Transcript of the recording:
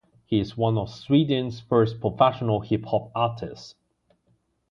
He is one of Sweden's first professional hip hop artists.